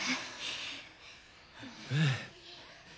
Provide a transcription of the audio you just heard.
うん。